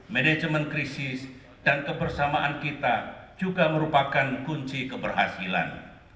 manajemen krisis dan kebersamaan kita juga merupakan kunci keberhasilan